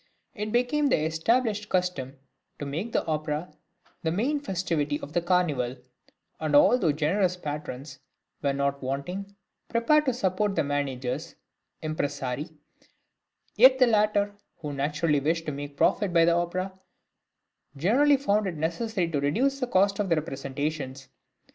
It became the established custom to make the opera the main festivity of the Carnival, and although generous patrons were not wanting, prepared to support the managers (impresarii), yet the latter, who naturally wished to make a profit by the opera, generally found it necessary to reduce the cost of the representations.